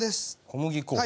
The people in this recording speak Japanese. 小麦粉？